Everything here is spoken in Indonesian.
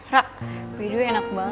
rah video enak banget makasih ya